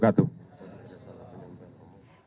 assalamualaikum warahmatullahi wabarakatuh